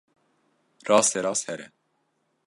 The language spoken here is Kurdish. Rasterast here.